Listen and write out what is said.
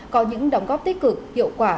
có những đóng góp tích cực hiệu quả